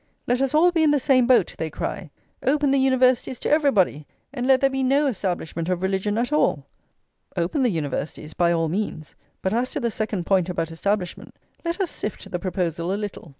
"Let us all be in the same boat," they cry; "open the Universities to everybody, and let there be no establishment of [xxv] religion at all!" Open the Universities by all means; but, as to the second point about establishment, let us sift the proposal a little.